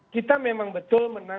kita memang betul menang